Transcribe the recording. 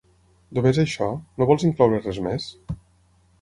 Només això, no vols incloure res més?